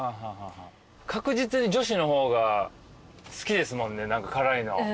確実に女子の方が好きですもんね辛いの。